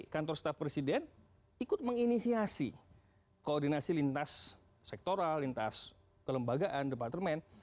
kantor staf presiden ikut menginisiasi koordinasi lintas sektoral lintas kelembagaan departemen